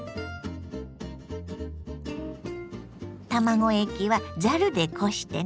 卵液はざるでこしてね。